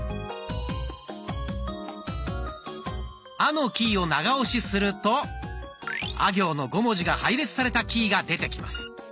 「あ」のキーを長押しすると「あ」行の５文字が配列されたキーが出てきます。